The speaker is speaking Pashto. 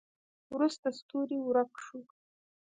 وروسته ستوری ورک شو.